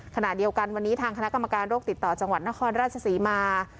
ขณะเดียวกันวันนี้ทางคณะกรรมการโรคติดต่อจังหวัดนครราชศรีมา